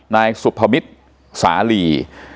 นายสุภมิตรสาลี